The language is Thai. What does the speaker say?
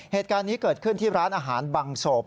เหตุการณ์นี้เกิดขึ้นที่ร้านอาหารบังโศก